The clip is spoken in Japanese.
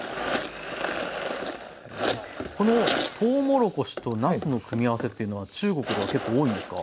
このとうもろこしとなすの組み合わせっていうのは中国では結構多いんですか？